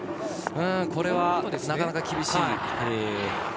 これはなかなか厳しい。